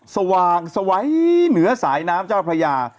สว่างสวัยเหนือสายน้ำเจ้าพระยา